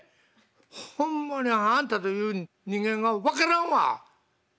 ホンマにあんたという人間が分からんわ！」。